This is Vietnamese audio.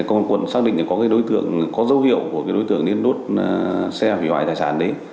công an quận xác định có dấu hiệu của đối tượng đến đốt xe hủy hoại đài sản đấy